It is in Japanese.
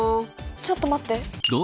ちょっと待って。